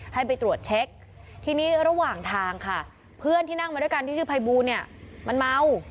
ให้ไปตรวจเช็คทีนี้ระหว่างทางค่ะเพื่อนที่นั่งมาด้วยกันที่ชื่อภัยบูลเนี่ยมันเมา